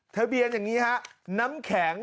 ๕๘๕๙ทะเบียนอย่างนี้ฮะน้ำแข็ง